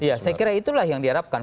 ya saya kira itulah yang diharapkan